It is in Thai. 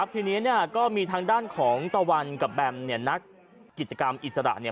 ทีนี้ก็มีทางด้านของตวรรณกับแบมพ์เนี่ยนักกิจกรรมอิสระเนี่ย